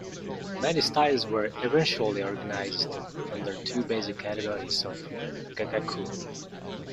Many styles were eventually organized under two basic categories of gagaku.